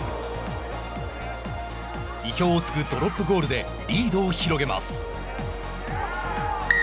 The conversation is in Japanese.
意表を突くドロップゴールでリードを広げます。